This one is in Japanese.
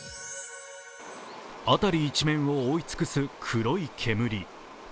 辺り一面を覆い尽くす黒い煙。